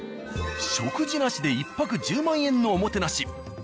食事なしで１泊１０万円のおもてなし。